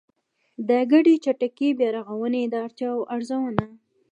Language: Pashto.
د ګډې چټکې بيا رغونې د اړتیاوو ارزونه